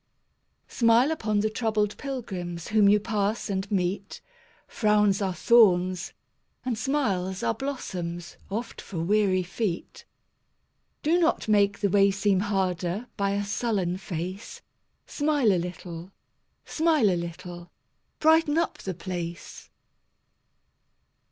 Smile upon the troubled pilgrims Whom you pass and meet; Frowns are thorns, and smiles are blossoms Oft for weary feet. Do not make the way seem harder By a sullen face; Smile a little, smile a little, Brighten up the place.